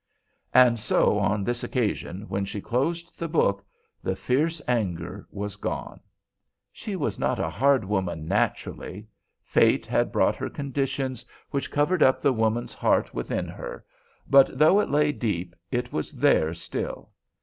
And so on this occasion when she closed the book the fierce anger was gone. She was not a hard woman naturally. Fate had brought her conditions which covered up the woman heart within her, but though it lay deep, it was there still.